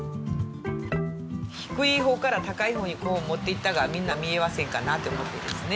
低い方から高い方にこうもっていったがみんな見えはせんかなって思ってですね。